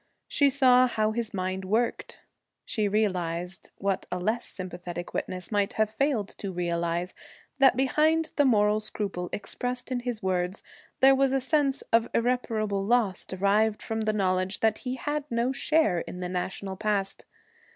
She saw how his mind worked. She realized, what a less sympathetic witness might have failed to realize, that behind the moral scruple expressed in his words, there was a sense of irreparable loss derived from the knowledge that he had no share in the national past.